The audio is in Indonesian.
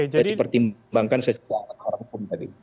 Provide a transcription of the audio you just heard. jadi pertimbangkan secara orang orang tadi